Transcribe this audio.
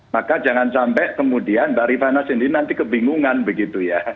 maka jangan sampai kemudian mbak rifana sendiri nanti kebingungan begitu ya